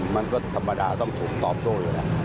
มันก็ธรรมดาต้องถูกตอบด้วย